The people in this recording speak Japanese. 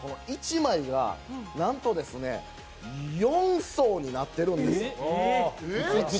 １枚がなんと４層になってるんです。